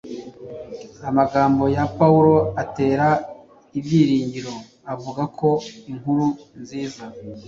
Amagambo ya Pawulo atera ibyiringiro avuga ko “inkuru nziza”